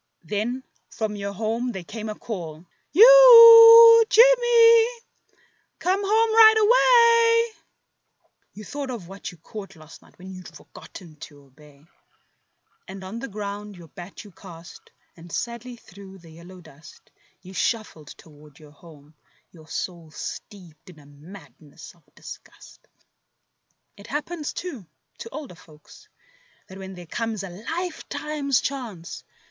Then from your home there came a call— ''You Jim e e e e ! Come home right away." You thought of what you caught last night when you'd forgotten to obey. And on the ground your bat you cast, and sadly through the yellow dust You shuffled toward your home, your soul steeped in a madness of disgust 4 A AX It happens, too, to older folks, that when there comes a lifetime's chance.